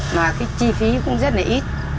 mà cái chi phí cũng rất là ít